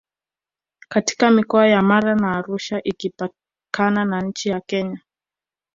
katika mikoa ya Mara na Arusha ikipakana na nchi ya Kenya